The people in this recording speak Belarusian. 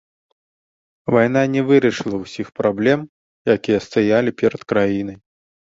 Вайна не вырашыла ўсіх праблем, якія стаялі перад краінай.